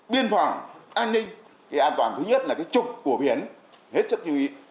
biên phòng an ninh cái an toàn thứ nhất là cái trục của biển hết sức lưu ý